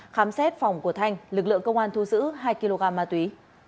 khám xét phòng của thanh lực lượng công an thu giữ hai kg ma túy